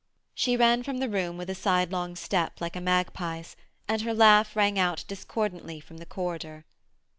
She ran from the room with a sidelong step like a magpie's, and her laugh rang out discordantly from the corridor.